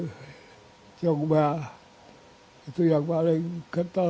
jadi jompo itu yang paling getal